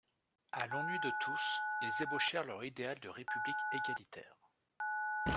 A l'ennui de tous, ils ébauchèrent leur idéal de République égalitaire.